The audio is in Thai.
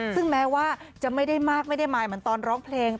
ซึ่งแม้ว่าจะไม่ได้มากไม่ได้มายเหมือนตอนร้องเพลง